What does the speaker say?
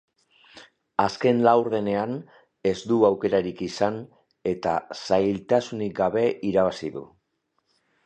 Azken laurdenean, ez du aurkaririk izan eta zailtasunik gabe irabazi du.